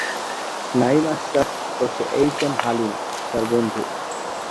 নাঈম আশরাফ ওরফে H M Halim তার বন্ধু।